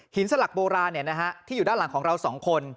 หินสลักโบราณเนี่ยนะฮะที่อยู่ด้านหลังของเราสองคน